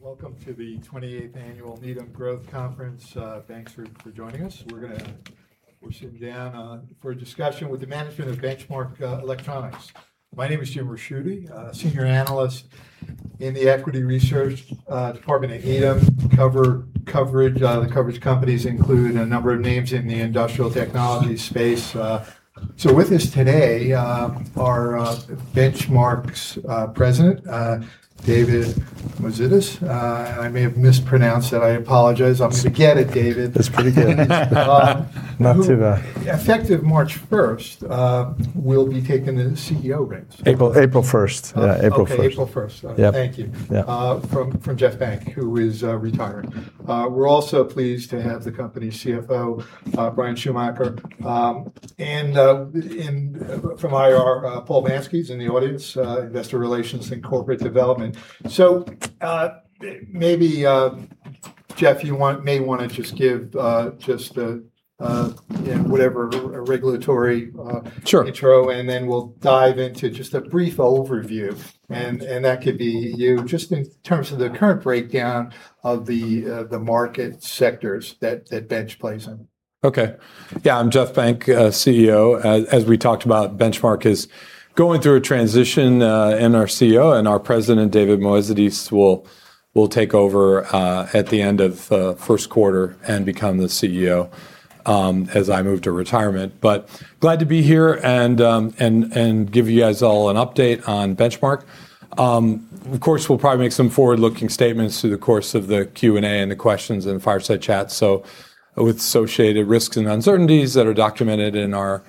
Morning. Welcome to the 28th Annual Needham Growth Conference. Thanks for joining us. We're going to sit down for a discussion with the management of Benchmark Electronics. My name is Jim Ricchiuti, Senior Analyst in the Equity Research Department at Needham. The coverage companies include a number of names in the industrial technology space. So with us today are Benchmark's President, David Moezidis. I may have mispronounced that. I apologize. I'm going to get it, David. That's pretty good. Not too bad. Effective March 1st, we'll be taking the CEO reins. April 1st. April 1st. Thank you. From Jeff Benck, who is retiring. We're also pleased to have the company's CFO, Bryan Schumaker, and from IR, Paul Mansky is in the audience, Investor Relations and Corporate Development. So maybe, Jeff, you may want to just give whatever regulatory intro, and then we'll dive into just a brief overview. And that could be you, just in terms of the current breakdown of the market sectors that Bench plays in. Okay. Yeah, I'm Jeff Benck, CEO. As we talked about, Benchmark is going through a transition. And our CEO and our President, David Moezidis, will take over at the end of first quarter and become the CEO as I move to retirement. But glad to be here and give you guys all an update on Benchmark. Of course, we'll probably make some forward-looking statements through the course of the Q&A and the questions and fireside chat. So with associated risks and uncertainties that are documented in our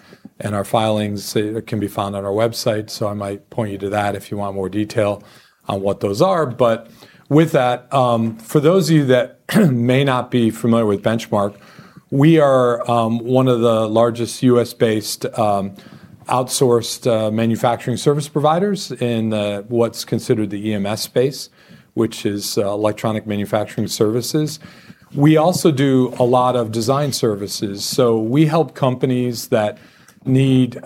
filings, they can be found on our website. So I might point you to that if you want more detail on what those are. But with that, for those of you that may not be familiar with Benchmark, we are one of the largest U.S.-based outsourced manufacturing service providers in what's considered the EMS space, which is electronic manufacturing services. We also do a lot of design services, so we help companies that need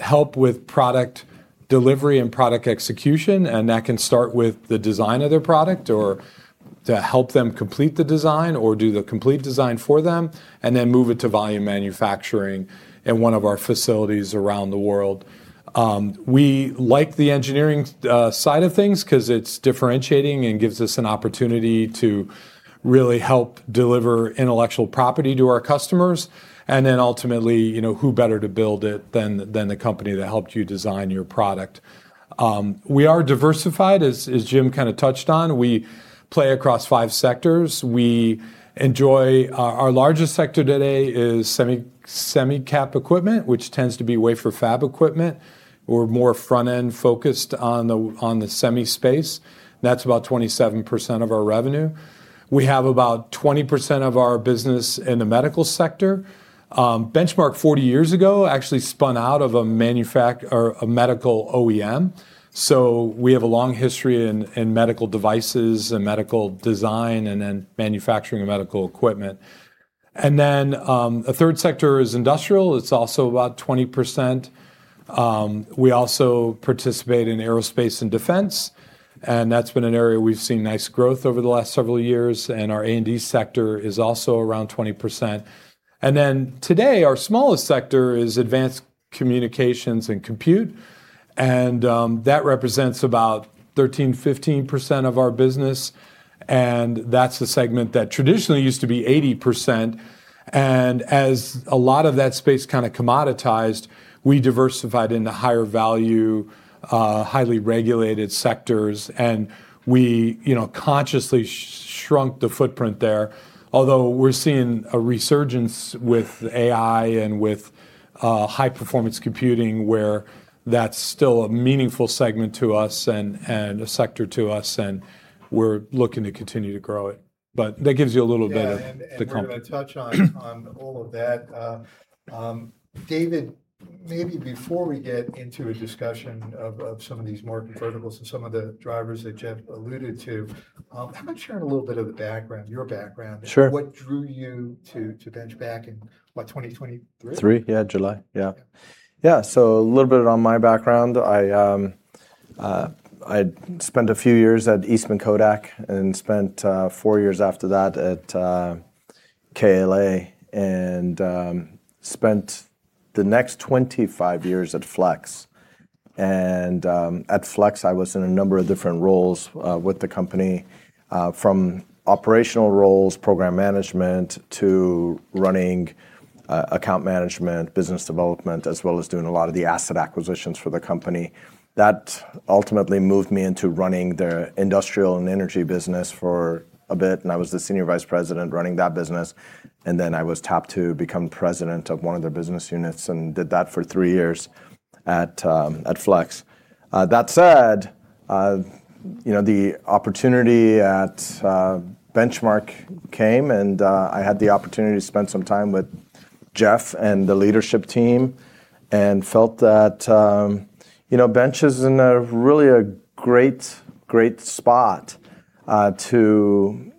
help with product delivery and product execution, and that can start with the design of their product or to help them complete the design or do the complete design for them and then move it to volume manufacturing in one of our facilities around the world. We like the engineering side of things because it's differentiating and gives us an opportunity to really help deliver intellectual property to our customers. And then ultimately, who better to build it than the company that helped you design your product? We are diversified, as Jim kind of touched on. We play across five sectors. Our largest sector today is semi-cap equipment, which tends to be wafer fab equipment. We're more front-end focused on the semi space. That's about 27% of our revenue. We have about 20% of our business in the medical sector. Benchmark, 40 years ago, actually spun out of a medical OEM. So we have a long history in medical devices and medical design and then manufacturing of medical equipment. And then the third sector is industrial. It's also about 20%. We also participate in aerospace and defense. And that's been an area we've seen nice growth over the last several years. And our A&D sector is also around 20%. And then today, our smallest sector is advanced communications and compute. And that represents about 13%-15% of our business. And that's the segment that traditionally used to be 80%. And as a lot of that space kind of commoditized, we diversified into higher value, highly regulated sectors. We consciously shrunk the footprint there, although we're seeing a resurgence with AI and with high-performance computing where that's still a meaningful segment to us and a sector to us. We're looking to continue to grow it. That gives you a little bit of the company. And to touch on all of that, David, maybe before we get into a discussion of some of these market verticals and some of the drivers that Jeff alluded to, how about sharing a little bit of your background? What drew you to Benchmark in what, 2023? Three, yeah, July. Yeah. Yeah. So a little bit on my background. I spent a few years at Eastman Kodak and spent four years after that at KLA and spent the next 25 years at Flex. And at Flex, I was in a number of different roles with the company from operational roles, program management to running account management, business development, as well as doing a lot of the asset acquisitions for the company. That ultimately moved me into running their industrial and energy business for a bit. And I was the senior vice president running that business. And then I was tapped to become president of one of their business units and did that for three years at Flex. That said, the opportunity at Benchmark came, and I had the opportunity to spend some time with Jeff and the leadership team and felt that Bench is in a really great, great spot to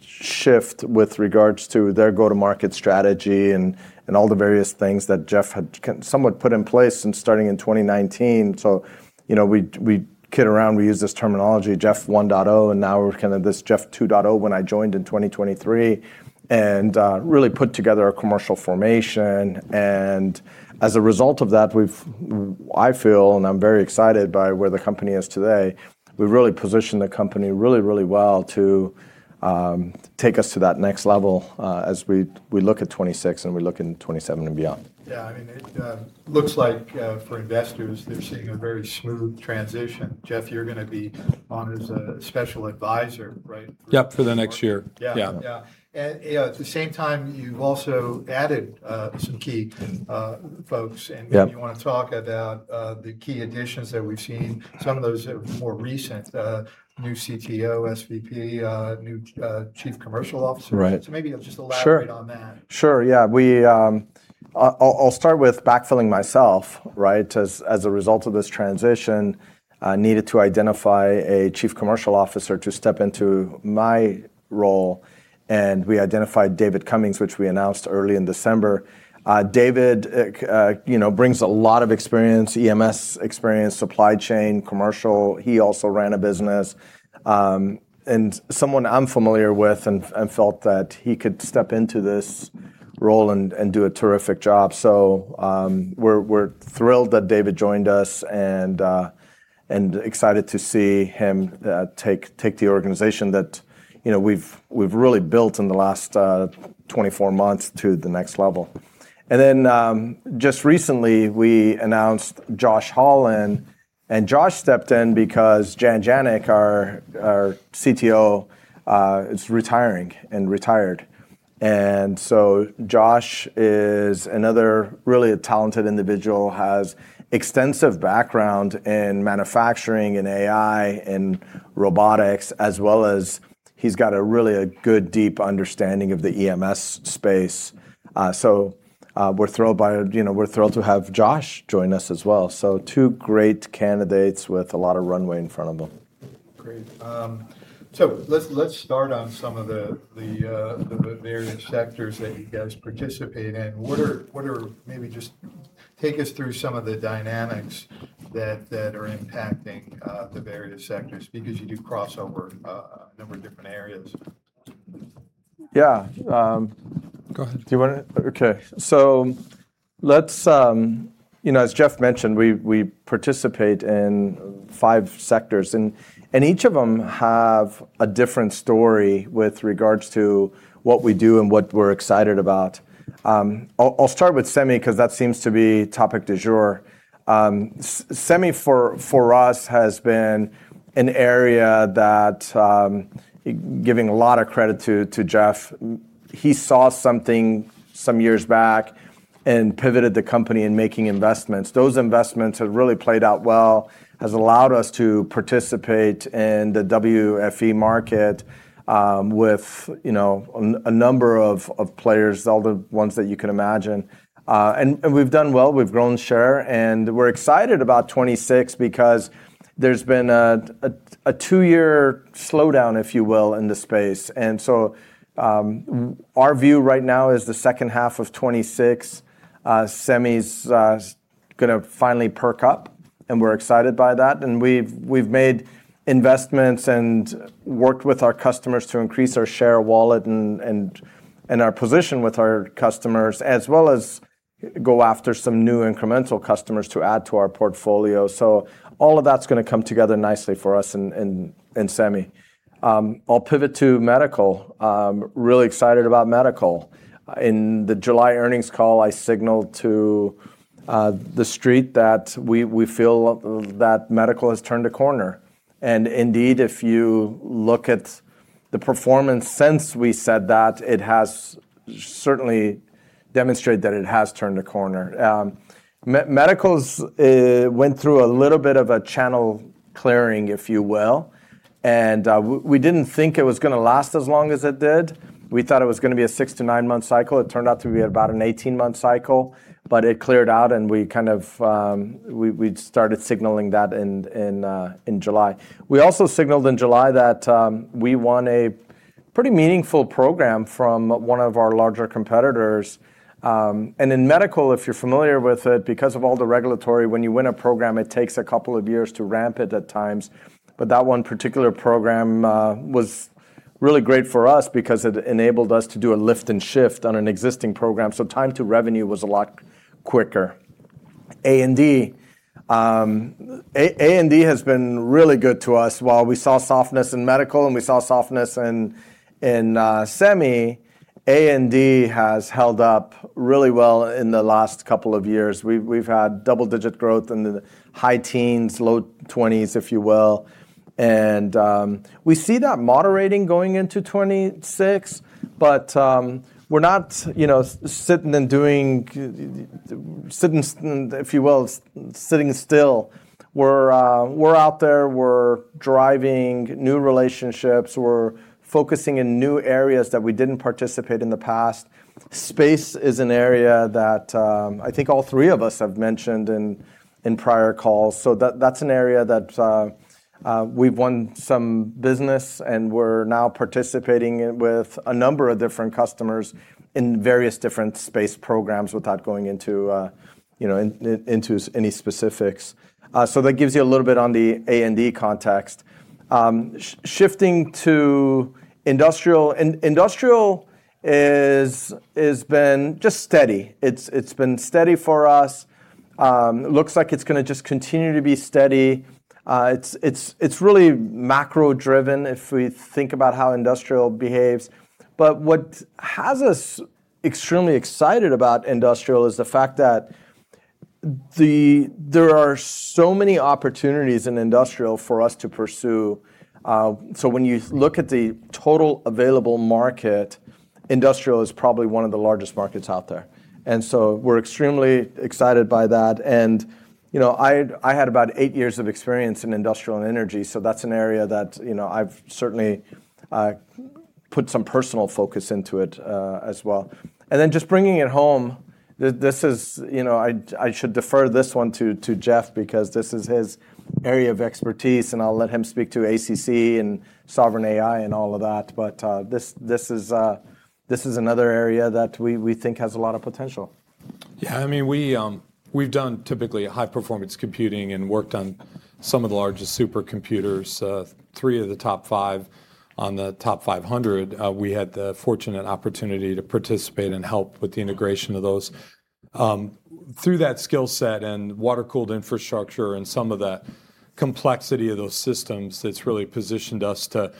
shift with regards to their go-to-market strategy and all the various things that Jeff had somewhat put in place starting in 2019, so we kid around, we use this terminology, Jeff 1.0, and now we're kind of this Jeff 2.0 when I joined in 2023 and really put together a commercial formation, and as a result of that, I feel, and I'm very excited by where the company is today, we've really positioned the company really, really well to take us to that next level as we look at 2026 and we look in 2027 and beyond. Yeah. I mean, it looks like for investors, they're seeing a very smooth transition. Jeff, you're going to be on as a special advisor, right? Yep, for the next year. Yeah. Yeah, and at the same time, you've also added some key folks, and you want to talk about the key additions that we've seen, some of those more recent, new CTO, SVP, new Chief Commercial Officer. So maybe you'll just elaborate on that. Sure. Yeah. I'll start with backfilling myself, right? As a result of this transition, I needed to identify a Chief Commercial Officer to step into my role. And we identified David Cummings, which we announced early in December. David brings a lot of experience, EMS experience, supply chain, commercial. He also ran a business and someone I'm familiar with and felt that he could step into this role and do a terrific job. So we're thrilled that David joined us and excited to see him take the organization that we've really built in the last 24 months to the next level. And then just recently, we announced Josh Holland. And Josh stepped in because Jan Janick, our CTO, is retiring and retired. And so Josh is another really talented individual, has extensive background in manufacturing and AI and robotics, as well as he's got a really good, deep understanding of the EMS space. So we're thrilled to have Josh join us as well. So two great candidates with a lot of runway in front of them. Great. So let's start on some of the various sectors that you guys participate in. What are maybe just take us through some of the dynamics that are impacting the various sectors because you do crossover a number of different areas. Yeah. Go ahead. Do you want to? Okay, so as Jeff mentioned, we participate in five sectors. And each of them have a different story with regards to what we do and what we're excited about. I'll start with semi because that seems to be topic du jour. Semi for us has been an area that, giving a lot of credit to Jeff, he saw something some years back and pivoted the company in making investments. Those investments have really played out well, has allowed us to participate in the WFE market with a number of players, all the ones that you can imagine. And we've done well. We've grown share. And we're excited about 2026 because there's been a two-year slowdown, if you will, in the space. And so our view right now is the second half of 2026, semi's going to finally perk up. And we're excited by that. We've made investments and worked with our customers to increase our share wallet and our position with our customers, as well as go after some new incremental customers to add to our portfolio. All of that's going to come together nicely for us in semi. I'll pivot to medical. Really excited about medical. In the July earnings call, I signaled to the street that we feel that medical has turned a corner. Indeed, if you look at the performance since we said that, it has certainly demonstrated that it has turned a corner. Medical went through a little bit of a channel clearing, if you will. We didn't think it was going to last as long as it did. We thought it was going to be a six- to nine-month cycle. It turned out to be about an 18-month cycle. It cleared out. We kind of started signaling that in July. We also signaled in July that we won a pretty meaningful program from one of our larger competitors. In medical, if you're familiar with it, because of all the regulatory, when you win a program, it takes a couple of years to ramp it at times. That one particular program was really great for us because it enabled us to do a lift and shift on an existing program. Time to revenue was a lot quicker. A&D has been really good to us. While we saw softness in medical and we saw softness in semi, A&D has held up really well in the last couple of years. We've had double-digit growth in the high teens, low 20s, if you will. We see that moderating going into 2026. But we're not sitting and doing, if you will, sitting still. We're out there. We're driving new relationships. We're focusing in new areas that we didn't participate in the past. Space is an area that I think all three of us have mentioned in prior calls. So that's an area that we've won some business. And we're now participating with a number of different customers in various different space programs without going into any specifics. So that gives you a little bit on the A&D context. Shifting to industrial. Industrial has been just steady. It's been steady for us. Looks like it's going to just continue to be steady. It's really macro-driven if we think about how industrial behaves. But what has us extremely excited about industrial is the fact that there are so many opportunities in industrial for us to pursue. So when you look at the total available market, industrial is probably one of the largest markets out there. And so we're extremely excited by that. And I had about eight years of experience in industrial and energy. So that's an area that I've certainly put some personal focus into it as well. And then just bringing it home, I should defer this one to Jeff because this is his area of expertise. And I'll let him speak to ACC and sovereign AI and all of that. But this is another area that we think has a lot of potential. Yeah. I mean, we've done typically high-performance computing and worked on some of the largest supercomputers, three of the top five on the TOP500. We had the fortunate opportunity to participate and help with the integration of those. Through that skill set and water-cooled infrastructure and some of the complexity of those systems, it's really positioned us to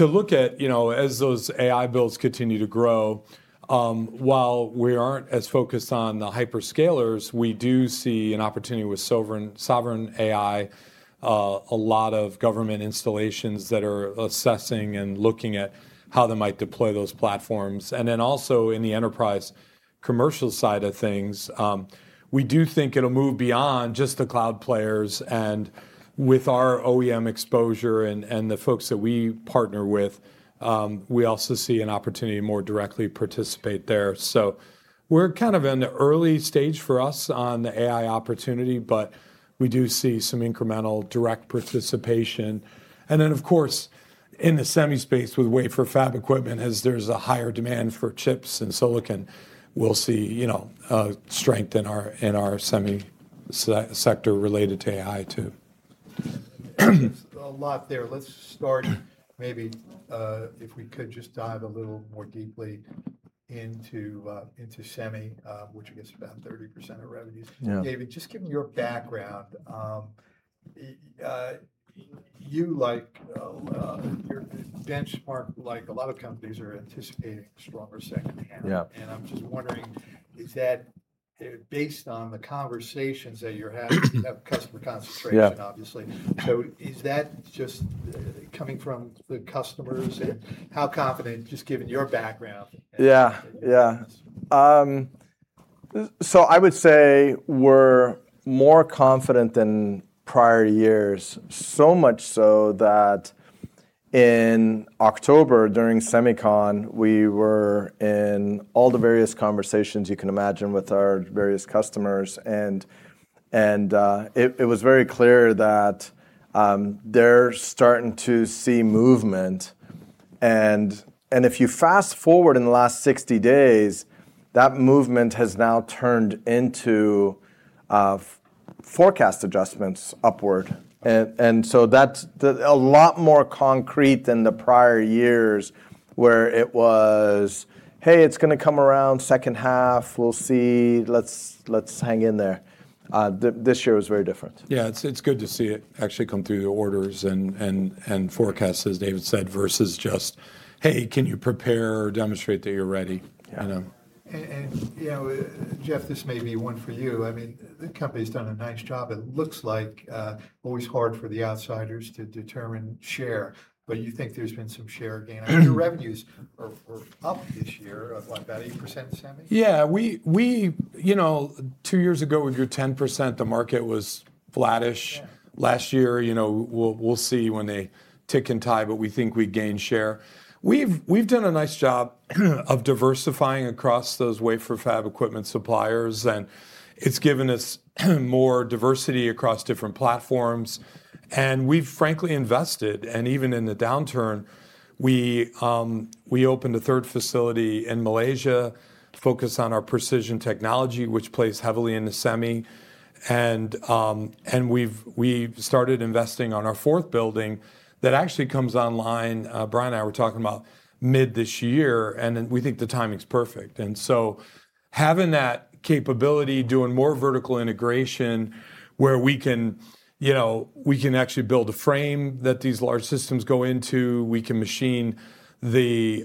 look at as those AI builds continue to grow. While we aren't as focused on the hyperscalers, we do see an opportunity with sovereign AI, a lot of government installations that are assessing and looking at how they might deploy those platforms. And then also in the enterprise commercial side of things, we do think it'll move beyond just the cloud players. And with our OEM exposure and the folks that we partner with, we also see an opportunity to more directly participate there. So we're kind of in the early stage for us on the AI opportunity, but we do see some incremental direct participation. And then, of course, in the semi space with wafer fab equipment, as there's a higher demand for chips and silicon, we'll see strength in our semi sector related to AI too. A lot there. Let's start maybe if we could just dive a little more deeply into semi, which gets about 30% of revenues. David, just given your background, you like your Benchmark, like a lot of companies are anticipating a stronger second half. And I'm just wondering, is that based on the conversations that you're having? You have customer concentration, obviously. So is that just coming from the customers and how confident, just given your background? Yeah. Yeah, so I would say we're more confident than prior years, so much so that in October during SEMICON, we were in all the various conversations you can imagine with our various customers, and it was very clear that they're starting to see movement, and if you fast forward in the last 60 days, that movement has now turned into forecast adjustments upward, and so that's a lot more concrete than the prior years where it was, "Hey, it's going to come around second half. We'll see. Let's hang in there." This year was very different. Yeah, it's good to see it actually come through the orders and forecasts, as David said, versus just, "Hey, can you prepare or demonstrate that you're ready? Jeff, this may be one for you. I mean, the company's done a nice job. It looks like always hard for the outsiders to determine share. But you think there's been some share gain. I mean, your revenues were up this year of about 8% semi? Yeah. Two years ago, we grew 10%. The market was flattish. Last year, we'll see when they tick and tie, but we think we gained share. We've done a nice job of diversifying across those wafer fab equipment suppliers. And it's given us more diversity across different platforms. And we've frankly invested. And even in the downturn, we opened a third facility in Malaysia focused on our precision technology, which plays heavily in the semi. And we've started investing on our fourth building that actually comes online. Bryan and I were talking about mid this year. And we think the timing's perfect. And so having that capability, doing more vertical integration where we can actually build a frame that these large systems go into, we can machine the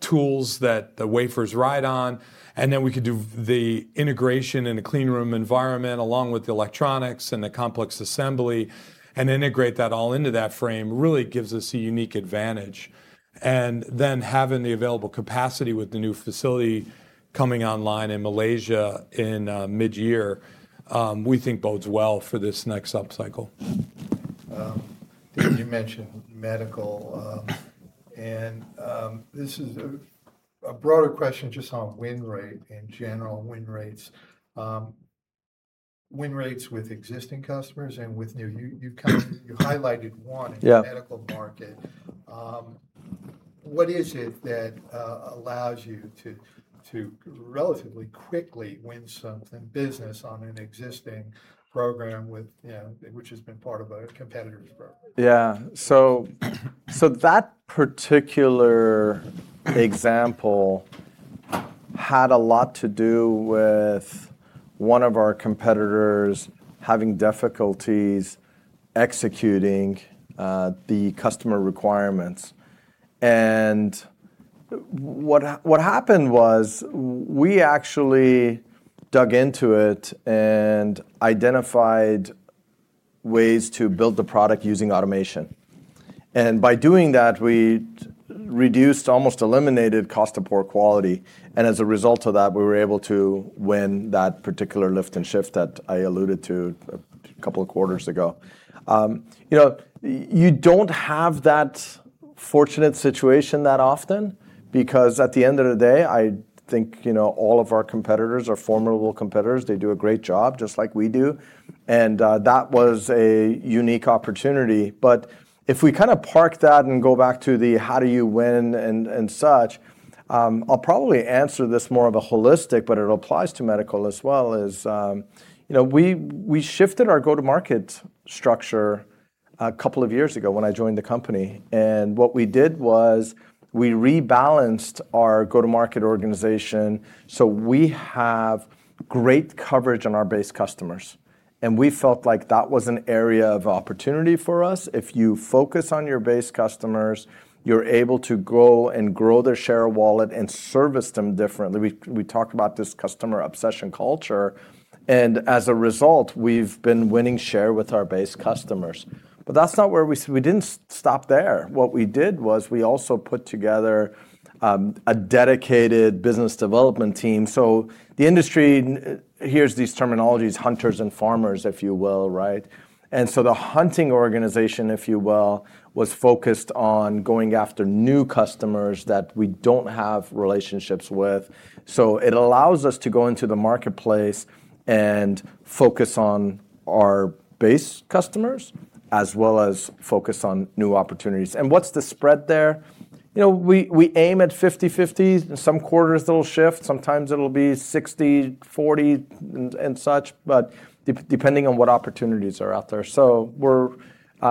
tools that the wafers ride on. And then we can do the integration in a clean room environment along with the electronics and the complex assembly and integrate that all into that frame really gives us a unique advantage. And then having the available capacity with the new facility coming online in Malaysia in mid-year, we think bodes well for this next upcycle. David, you mentioned medical. And this is a broader question just on win rate in general, win rates with existing customers and with new. You highlighted one in the medical market. What is it that allows you to relatively quickly win some business on an existing program, which has been part of a competitor's program? Yeah. So that particular example had a lot to do with one of our competitors having difficulties executing the customer requirements. And what happened was we actually dug into it and identified ways to build the product using automation. And by doing that, we reduced, almost eliminated cost of poor quality. And as a result of that, we were able to win that particular lift and shift that I alluded to a couple of quarters ago. You don't have that fortunate situation that often because at the end of the day, I think all of our competitors are formidable competitors. They do a great job just like we do. And that was a unique opportunity. But if we kind of park that and go back to the how do you win and such, I'll probably answer this more of a holistic, but it applies to medical as well, is we shifted our go-to-market structure a couple of years ago when I joined the company. And what we did was we rebalanced our go-to-market organization so we have great coverage on our base customers. And we felt like that was an area of opportunity for us. If you focus on your base customers, you're able to go and grow their share of wallet and service them differently. We talked about this customer obsession culture. And as a result, we've been winning share with our base customers. But that's not where we didn't stop there. What we did was we also put together a dedicated business development team. So the industry hears these terminologies, hunters and farmers, if you will, right? And so the hunting organization, if you will, was focused on going after new customers that we don't have relationships with. So it allows us to go into the marketplace and focus on our base customers as well as focus on new opportunities. And what's the spread there? We aim at 50/50. In some quarters, it'll shift. Sometimes it'll be 60/40 and such, but depending on what opportunities are out there. So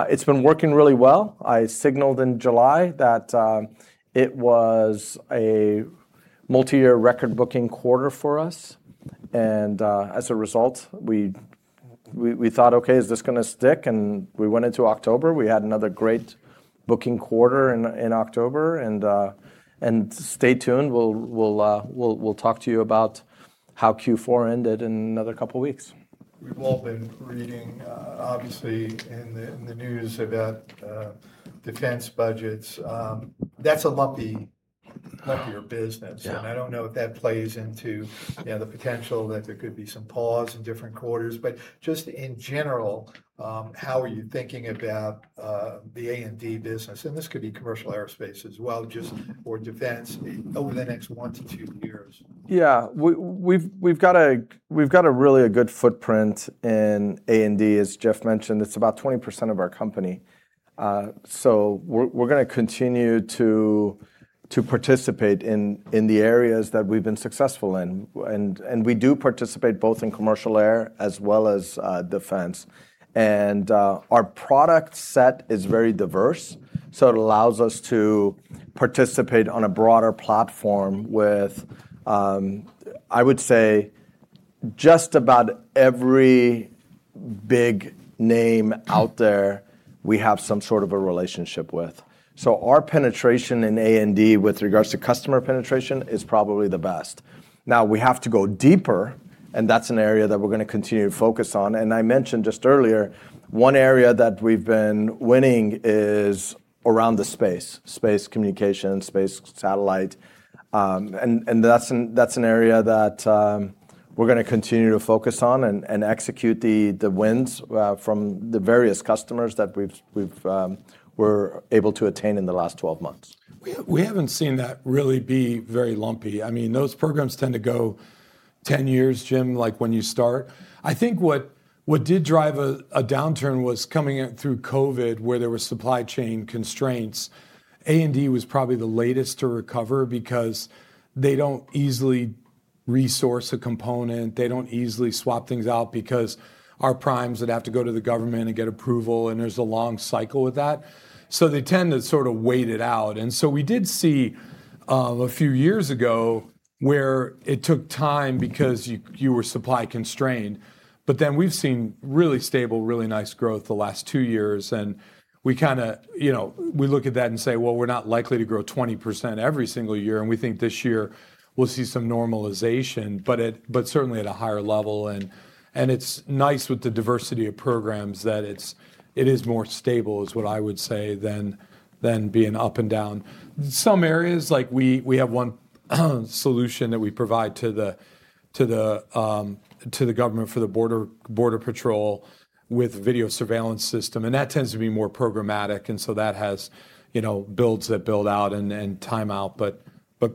it's been working really well. I signaled in July that it was a multi-year record-booking quarter for us. And as a result, we thought, "Okay, is this going to stick?" And we went into October. We had another great booking quarter in October. And stay tuned. We'll talk to you about how Q4 ended in another couple of weeks. We've all been reading, obviously, in the news about defense budgets. That's a lumpier business, and I don't know if that plays into the potential that there could be some pause in different quarters, but just in general, how are you thinking about the A&D business, and this could be commercial aerospace as well, just for defense over the next one to two years? Yeah. We've got a really good footprint in A&D, as Jeff mentioned. It's about 20% of our company. So we're going to continue to participate in the areas that we've been successful in. And we do participate both in commercial air as well as defense. And our product set is very diverse. So it allows us to participate on a broader platform with, I would say, just about every big name out there we have some sort of a relationship with. So our penetration in A&D with regards to customer penetration is probably the best. Now, we have to go deeper, and that's an area that we're going to continue to focus on. And I mentioned just earlier, one area that we've been winning is around the space, space communication, space satellite. That's an area that we're going to continue to focus on and execute the wins from the various customers that we were able to attain in the last 12 months. We haven't seen that really be very lumpy. I mean, those programs tend to go 10 years, Jim, like when you start. I think what did drive a downturn was coming through COVID, where there were supply chain constraints. A&D was probably the latest to recover because they don't easily resource a component. They don't easily swap things out because our primes would have to go to the government and get approval. There's a long cycle with that. They tend to sort of wait it out. We did see a few years ago where it took time because you were supply constrained. Then we've seen really stable, really nice growth the last two years. And we kind of look at that and say, "Well, we're not likely to grow 20% every single year." And we think this year we'll see some normalization, but certainly at a higher level. And it's nice with the diversity of programs that it is more stable, is what I would say, than being up and down. Some areas, like we have one solution that we provide to the government for the Border Patrol with video surveillance system. And that tends to be more programmatic. And so that builds that build out and time out. But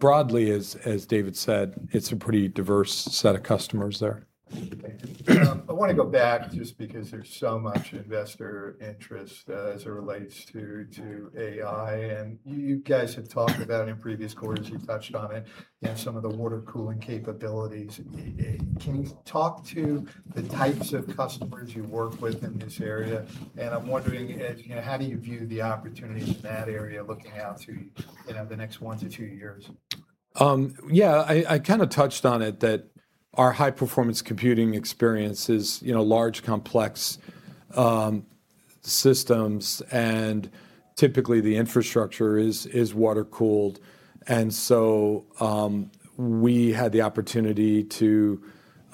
broadly, as David said, it's a pretty diverse set of customers there. I want to go back just because there's so much investor interest as it relates to AI. And you guys have talked about it in previous quarters. You touched on it and some of the water cooling capabilities. Can you talk to the types of customers you work with in this area? And I'm wondering, how do you view the opportunities in that area, looking out to the next one to two years? Yeah. I kind of touched on it, that our high-performance computing experience is large complex systems. And typically, the infrastructure is water-cooled. And so we had the opportunity to,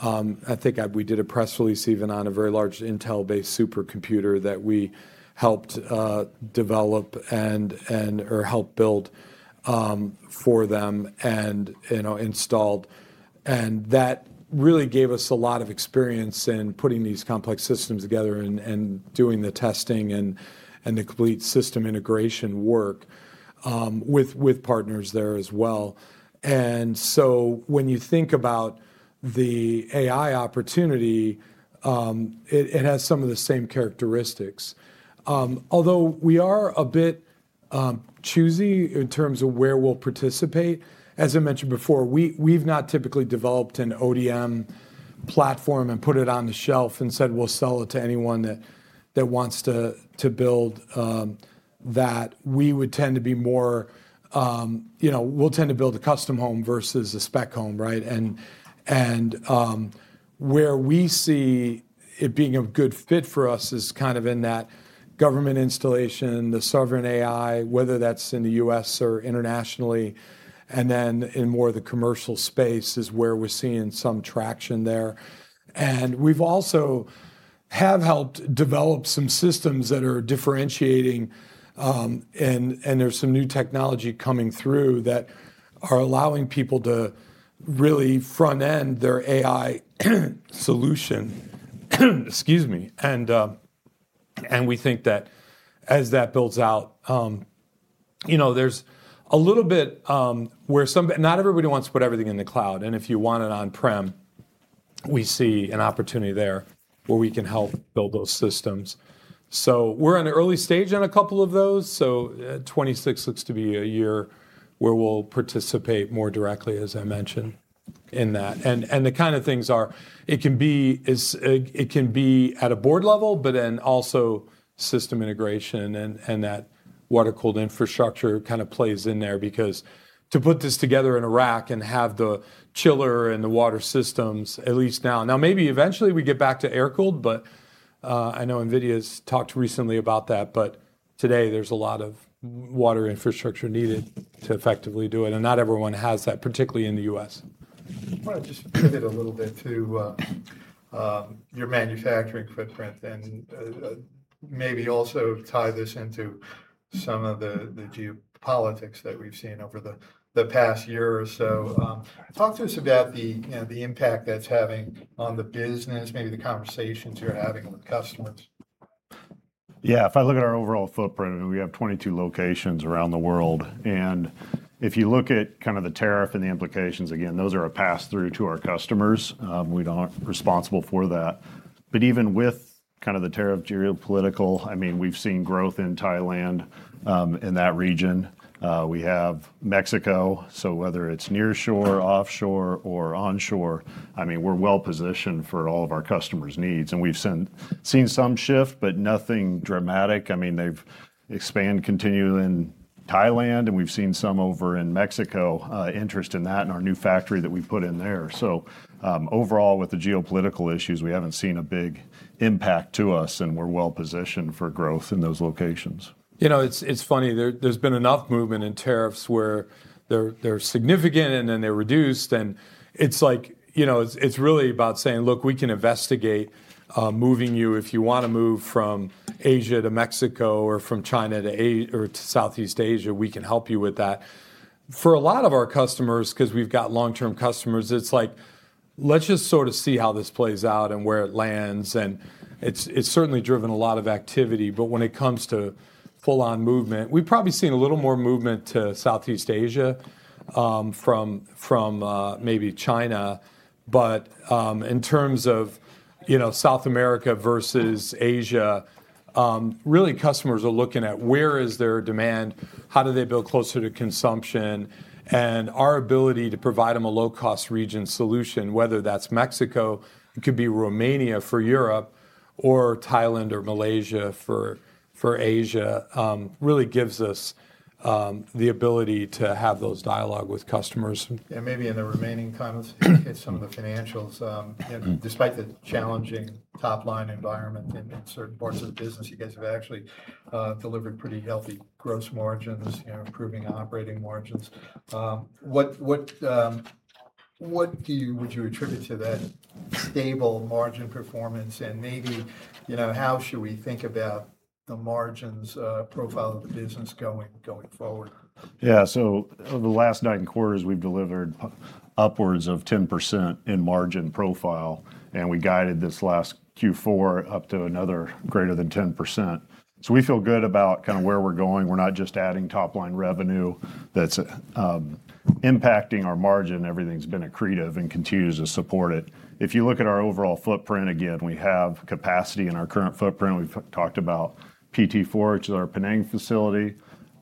I think we did a press release even on a very large Intel-based supercomputer that we helped develop and/or helped build for them and installed. And that really gave us a lot of experience in putting these complex systems together and doing the testing and the complete system integration work with partners there as well. And so when you think about the AI opportunity, it has some of the same characteristics. Although we are a bit choosy in terms of where we'll participate. As I mentioned before, we've not typically developed an ODM platform and put it on the shelf and said, "We'll sell it to anyone that wants to build that." We would tend to build a custom home versus a spec home, right? Where we see it being a good fit for us is kind of in that government installation, the sovereign AI, whether that's in the U.S. or internationally. Then in more of the commercial space is where we're seeing some traction there. We've also helped develop some systems that are differentiating. There's some new technology coming through that are allowing people to really front-end their AI solution. Excuse me. We think that as that builds out, there's a little bit where not everybody wants to put everything in the cloud. And if you want it on-prem, we see an opportunity there where we can help build those systems. So we're in an early stage on a couple of those. So 2026 looks to be a year where we'll participate more directly, as I mentioned, in that. And the kind of things are it can be at a board level, but then also system integration and that water-cooled infrastructure kind of plays in there because to put this together in a rack and have the chiller and the water systems, at least now. Now, maybe eventually we get back to air-cooled, but I know NVIDIA has talked recently about that. But today, there's a lot of water infrastructure needed to effectively do it. And not everyone has that, particularly in the U.S. I want to just pivot a little bit to your manufacturing footprint and maybe also tie this into some of the geopolitics that we've seen over the past year or so. Talk to us about the impact that's having on the business, maybe the conversations you're having with customers? Yeah. If I look at our overall footprint, we have 22 locations around the world. And if you look at kind of the tariff and the implications, again, those are a pass-through to our customers. We're not responsible for that. But even with kind of the tariff, geopolitical, I mean, we've seen growth in Thailand in that region. We have Mexico. So whether it's nearshore, offshore, or onshore, I mean, we're well-positioned for all of our customers' needs. And we've seen some shift, but nothing dramatic. I mean, they've expanded continually in Thailand. And we've seen some over in Mexico interest in that and our new factory that we've put in there. So overall, with the geopolitical issues, we haven't seen a big impact to us. And we're well-positioned for growth in those locations. You know. It's funny. There's been enough movement in tariffs where they're significant and then they're reduced, and it's like it's really about saying, "Look, we can investigate moving you. If you want to move from Asia to Mexico or from China to Southeast Asia, we can help you with that." For a lot of our customers, because we've got long-term customers, it's like, "Let's just sort of see how this plays out and where it lands," and it's certainly driven a lot of activity, but when it comes to full-on movement, we've probably seen a little more movement to Southeast Asia from maybe China, but in terms of South America versus Asia, really customers are looking at where is their demand, how do they build closer to consumption. Our ability to provide them a low-cost region solution, whether that's Mexico, it could be Romania for Europe, or Thailand or Malaysia for Asia, really gives us the ability to have those dialogue with customers. Maybe in the remaining time of the case, some of the financials, despite the challenging top-line environment in certain parts of the business, you guys have actually delivered pretty healthy gross margins, improving operating margins. What would you attribute to that stable margin performance? Maybe how should we think about the margins profile of the business going forward? Yeah, so over the last nine quarters, we've delivered upwards of 10% in margin profile, and we guided this last Q4 up to another greater than 10%, so we feel good about kind of where we're going. We're not just adding top-line revenue that's impacting our margin. Everything's been accretive and continues to support it. If you look at our overall footprint, again, we have capacity in our current footprint. We've talked about PT4, our Penang facility,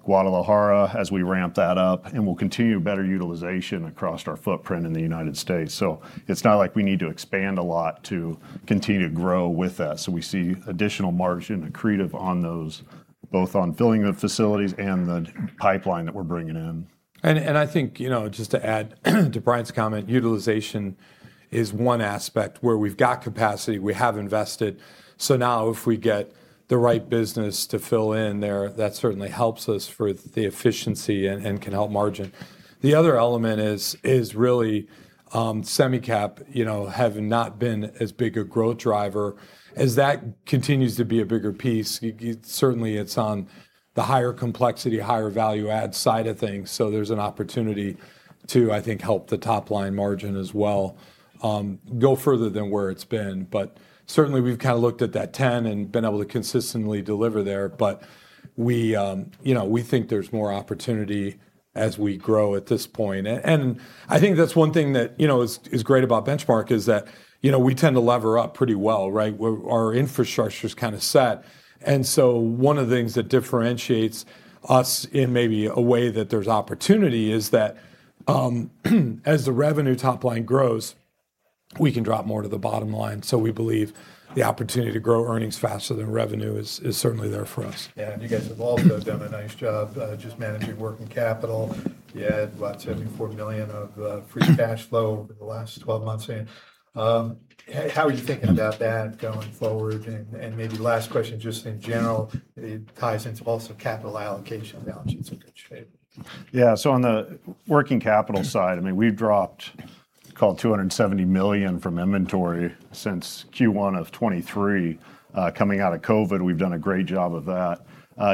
Guadalajara, as we ramp that up, and we'll continue better utilization across our footprint in the United States. So it's not like we need to expand a lot to continue to grow with that, so we see additional margin accretive on those, both on filling the facilities and the pipeline that we're bringing in. I think just to add to Bryan's comment, utilization is one aspect where we've got capacity. We have invested. So now if we get the right business to fill in there, that certainly helps us for the efficiency and can help margin. The other element is really semi-cap having not been as big a growth driver. As that continues to be a bigger piece, certainly it's on the higher complexity, higher value-add side of things. So there's an opportunity to, I think, help the top-line margin as well, go further than where it's been. But certainly, we've kind of looked at that 10% and been able to consistently deliver there. But we think there's more opportunity as we grow at this point. I think that's one thing that is great about Benchmark is that we tend to lever up pretty well, right? Our infrastructure is kind of set. One of the things that differentiates us in maybe a way that there's opportunity is that as the revenue top-line grows, we can drop more to the bottom line. We believe the opportunity to grow earnings faster than revenue is certainly there for us. Yeah. And you guys have also done a nice job just managing working capital. You had about $74 million of free cash flow over the last 12 months. How are you thinking about that going forward? And maybe last question, just in general, it ties into also capital allocation now, which is a good shape. Yeah. So on the working capital side, I mean, we've dropped, call it $270 million from inventory since Q1 of 2023. Coming out of COVID, we've done a great job of that.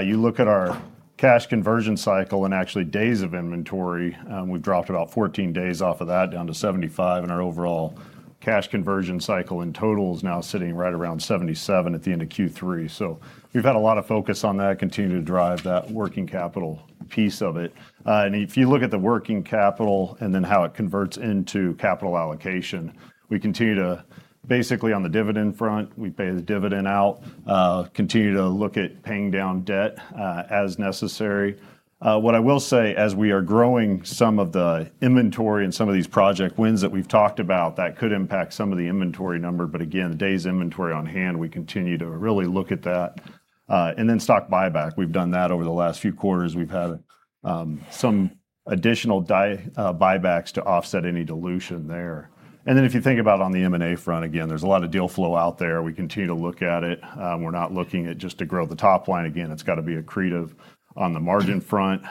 You look at our cash conversion cycle and actually days of inventory, we've dropped about 14 days off of that, down to 75. And our overall cash conversion cycle in total is now sitting right around 77 at the end of Q3. So we've had a lot of focus on that, continue to drive that working capital piece of it. And if you look at the working capital and then how it converts into capital allocation, we continue to basically on the dividend front, we pay the dividend out, continue to look at paying down debt as necessary. What I will say, as we are growing some of the inventory and some of these project wins that we've talked about, that could impact some of the inventory number, but again, days inventory on hand, we continue to really look at that, and then stock buyback, we've done that over the last few quarters. We've had some additional buybacks to offset any dilution there, and then if you think about on the M&A front, again, there's a lot of deal flow out there. We continue to look at it. We're not looking at just to grow the top line. Again, it's got to be accretive on the margin front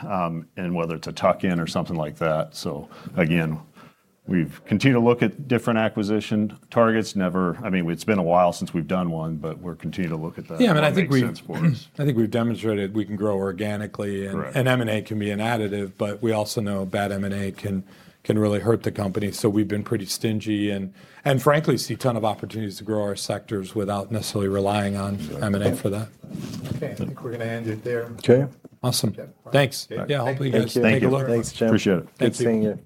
and whether it's a tuck-in or something like that, so again, we've continued to look at different acquisition targets. I mean, it's been a while since we've done one, but we're continuing to look at that. Yeah. I mean, I think we've demonstrated we can grow organically. And M&A can be an additive, but we also know bad M&A can really hurt the company. So we've been pretty stingy and frankly see a ton of opportunities to grow our sectors without necessarily relying on M&A for that. Okay. I think we're going to end it there. Okay. Awesome. Thanks. Yeah. Hopefully, you guys can take a look. Thanks, Jim. Appreciate it. Thanks.